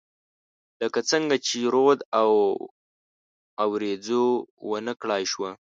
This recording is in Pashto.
لکه څنګه چې رود او، اوریځو ونه کړای شوه